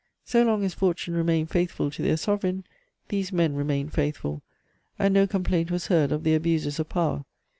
So long as fortune remained faithful to their Sovereign, these men remained faithful, and no complaint was heard of the abuses of power.